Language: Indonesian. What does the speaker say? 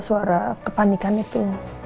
suara kepanikan itu